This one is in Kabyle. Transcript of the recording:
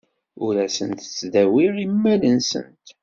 Ur asent-ttdawiɣ lmal-nsent.